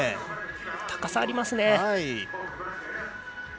高さがありますね。